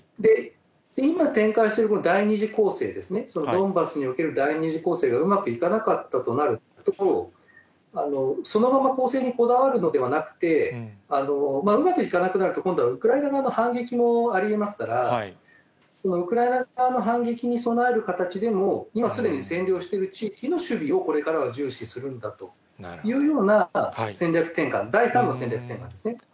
今、展開している第二次攻勢ですね、ドンバスにおける第二次攻勢がうまくいかなかったとなると、そのまま攻勢にこだわるのではなくて、うまくいかなくなると、今度はウクライナ側の反撃もありえますから、そのウクライナ側の反撃に備える形でも、今、すでに占領している地域の守備をこれから重視するんだというような、戦略転換、第３の戦略転換ですね。